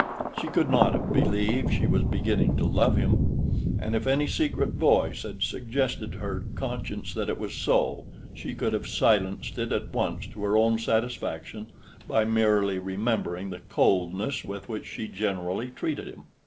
She could not have believed she was beginning to love him; and if any secret voice had suggested to her conscience that it was so, she could have silenced it at once to her own satisfaction by merely remembering the coldness with which she generally treated him.